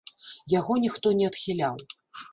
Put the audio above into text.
Яго ніхто не адхіляў.